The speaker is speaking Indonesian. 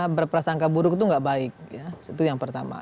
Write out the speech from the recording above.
berprasangka buruk itu nggak baik ya itu yang pertama